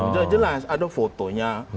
jelas jelas ada fotonya